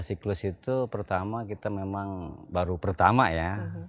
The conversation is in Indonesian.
siklus itu pertama kita memang baru pertama ya